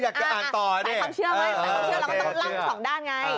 สายความเชื่อมาก็ต้องลั่งทั้ง๒ด้าน